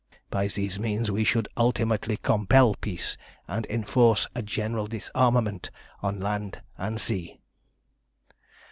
By these means we should ultimately compel peace and enforce a general disarmament on land and sea.